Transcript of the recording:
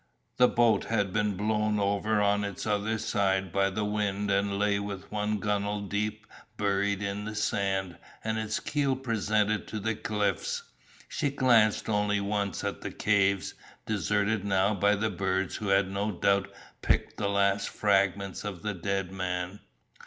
The boat had been blown over on its other side by the wind and lay with one gunnel deep buried in the sand and its keel presented to the cliffs; she glanced only once at the caves, deserted now by the birds who had no doubt picked the last fragments of the dead man.